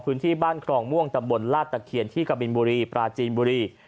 พื้นที่บ้านครองม่วงตำบลลาดตะเคียนที่กะบินบุรีปราจีนบุรี